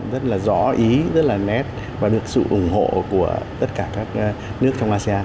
rất là rõ ý rất là nét và được sự ủng hộ của tất cả các nước trong asean